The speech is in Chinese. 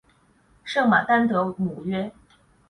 圣马丹德姆约。